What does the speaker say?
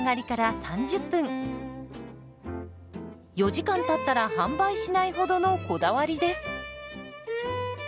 ４時間たったら販売しないほどのこだわりです。